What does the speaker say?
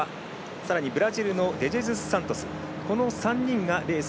さらにブラジルのデジェズスサントス。